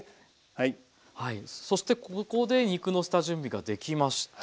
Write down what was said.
そしてここで肉の下準備ができました。